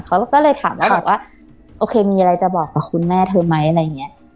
เขาก็เลยถามแล้วบอกว่าโอเคมีอะไรจะบอกกับคุณแม่เธอไหมอะไรอย่างเงี้ย